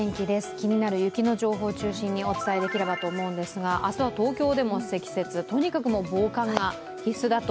気になる雪の情報を中心にお伝えできればと思いますが、明日は東京でも積雪、とにかく防寒が必須だと。